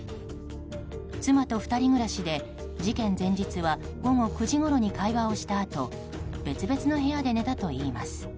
妻と２人暮らしで事件前日は午後９時ごろに会話をしたあと別々の部屋で寝たといいます。